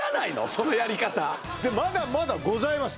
そのやり方まだまだございます